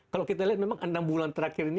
kalau kita lihat memang enam bulan terakhir ini